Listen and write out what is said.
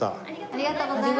ありがとうございます。